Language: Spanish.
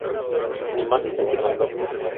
Ni mandes a quien mandó